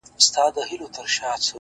اوس بيا د ښار په ماځيگر كي جادو!